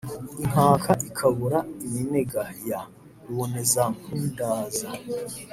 inkaka ikabura iminega ya rubonezampundaza